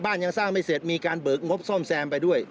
ยังสร้างไม่เสร็จมีการเบิกงบซ่อมแซมไปด้วย